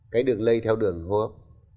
cái đường lây theo đường hốp